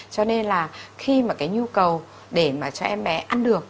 cho nên là khi mà cái nhu cầu để mà cho em bé ăn được